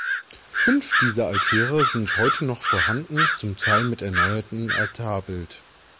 Fünf dieser Altäre sind heute noch vorhanden, zum Teil mit erneuertem Altarbild.